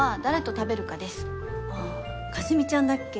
ああかすみちゃんだっけ？